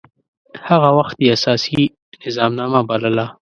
هغه وخت يي اساسي نظامنامه بلله.